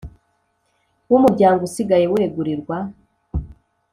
W umuryango usigaye wegurirwa